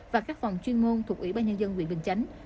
và các phòng chuyên môn thuộc ủy ban nhân dân huyện bình chánh